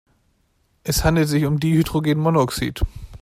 Es handelt sich um Dihydrogenmonoxid.